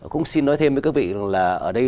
cũng xin nói thêm với các vị rằng là ở đây